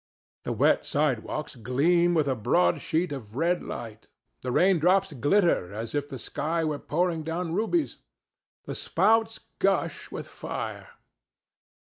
The wet sidewalks gleam with a broad sheet of red light. The raindrops glitter as if the sky were pouring down rubies. The spouts gush with fire.